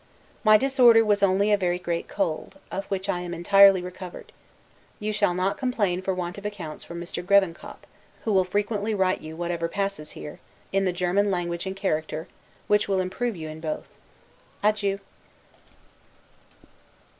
My disorder was only a very great cold, of which I am entirely recovered. You shall not complain for want of accounts from Mr. Grevenkop, who will frequently write you whatever passes here, in the German language and character; which will improve you in both. Adieu.